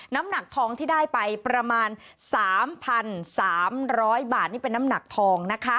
น้ำหนักทองที่ได้ไปประมาณ๓๓๐๐บาทนี่เป็นน้ำหนักทองนะคะ